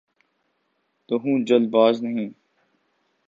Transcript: تو ہوں‘ جلد باز نہیں۔